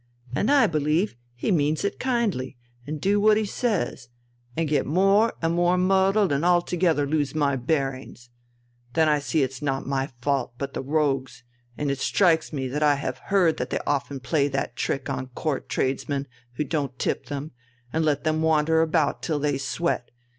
And I believe he means it kindly and do what he says, and get more and more muddled and altogether lose my bearings. Then I see that it's not my fault, but the rogues', and it strikes me that I have heard that they often play that trick on Court tradesmen who don't tip them, and let them wander about till they sweat.